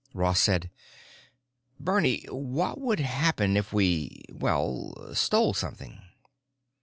Ross said, "Bernie, what would happen if we, well, stole something?"